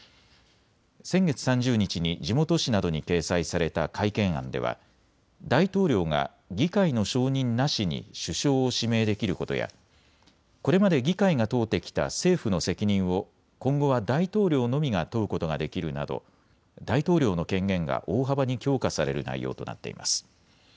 先月３０日に地元紙などに掲載された改憲案では大統領が議会の承認なしに首相を指名できることやこれまで議会が問うてきた政府の責任を今後は大統領のみが問うことができるなど大統領の権限が大幅に強化される内容となっています。